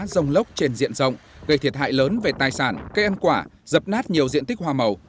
rông lốc trên diện rộng gây thiệt hại lớn về tài sản cây ăn quả dập nát nhiều diện tích hoa màu